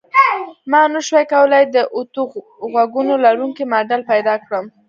ما نشوای کولی د اتو غوږونو لرونکی ماډل پیدا کړم